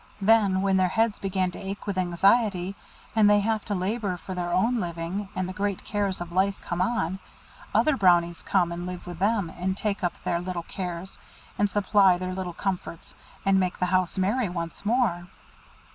Then, when their heads begin to ache with anxiety, and they have to labour for their own living, and the great cares of life come on, other Brownies come and live with them, and take up their little cares, and supply their little comforts, and make the house merry once more."